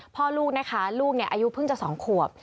พ่อลูกนะคะลูกอายุเพิ่งจะ๒ขวบ